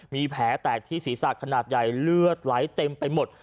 มีแผลแตกที่ศีรษะขนาดใหญ่เลือดไหลเต็มไปหมด